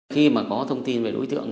khi mà có thông tin về đối tượng